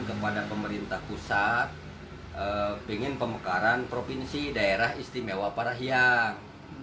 kepada pemerintah pusat ingin pemekaran provinsi daerah istimewa parahyang